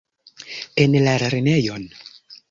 En la lernejon?